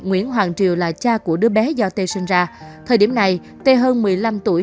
nguyễn hoàng triều là cha của đứa bé do tê sinh ra thời điểm này t hơn một mươi năm tuổi